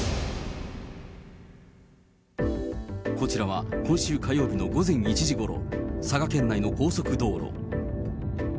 こちらは今週火曜日の午前１時ごろ、佐賀県内の高速道路。